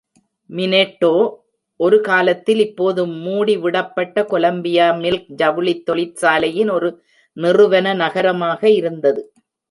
மினெட்டோ ஒரு காலத்தில், இப்போது மூடப்பட்டுவிட்ட கொலம்பியா மில்ஸ் ஜவுளித் தொழிற்சாலையின் ஒரு நிறுவன நகரமாக இருந்தது.